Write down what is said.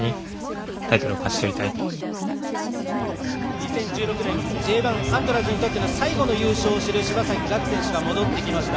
２０１６年Ｊ１アントラーズにとっての最後の優勝を知る柴崎岳選手が戻ってきました。